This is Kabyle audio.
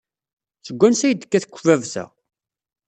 Seg wansi ay d-tekka tekbabt-a?